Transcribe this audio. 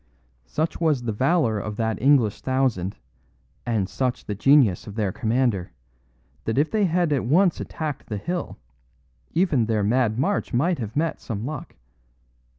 "Such was the valour of that English thousand, and such the genius of their commander, that if they had at once attacked the hill, even their mad march might have met some luck.